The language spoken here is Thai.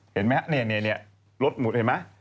เห็นไหมครับรถหมุนเห็นไหม